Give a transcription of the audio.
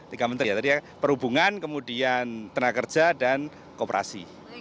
tadi ya perhubungan kemudian tenaga kerja dan koperasi